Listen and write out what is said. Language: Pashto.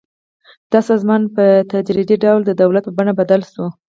دا سازمان په تدریجي ډول د دولت په بڼه بدل شو.